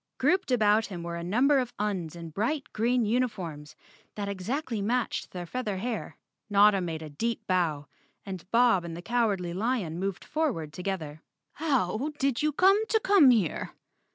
Grouped about him were a number of Uns in bright green uni¬ forms that exactly matched their feather hair. Notta made a deep bow and Bob and the Cowardly lion moved forward together. "How did you come to come here?"